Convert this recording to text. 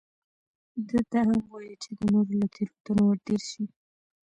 ده ته هم بویه چې د نورو له تېروتنو ورتېر شي.